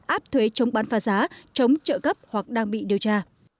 áp thuế chống bán phá giá chống trợ cấp hoặc đang bị điều tra